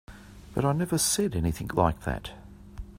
But I never said anything like that.